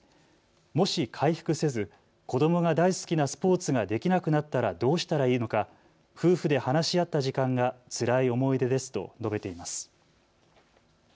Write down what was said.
もし回復せず、子どもが大好きなスポーツができなくなったらどうしたらいいのか夫婦で話し合った時間がつらい思い出ですと述べています。